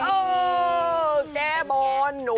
เออแก้บนหนู